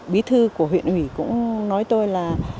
bí thư của huyện ủy cũng nói tôi là